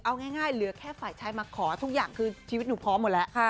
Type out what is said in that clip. เอาง่ายเหลือแค่ฝ่ายชายมาขอทุกอย่างคือชีวิตหนูพร้อมหมดแล้ว